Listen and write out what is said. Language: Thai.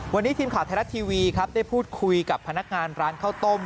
วันนี้ทีมข่าวไทยรัฐทีวีครับได้พูดคุยกับพนักงานร้านข้าวต้ม